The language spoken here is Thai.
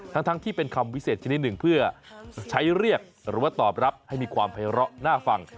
ทั้งที่เป็นคำวิเศษชนิดหนึ่งเพื่อใช้เรียกหรือว่าตอบรับให้มีความไพร้อน่าฟัง